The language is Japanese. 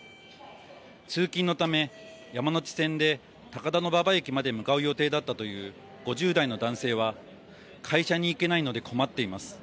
通勤のため山手線で高田馬場駅まで向かう予定だったという５０代の男性は、会社に行けないので困っています。